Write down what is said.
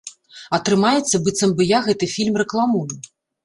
Атрымаецца, быццам бы я гэты фільм рэкламую.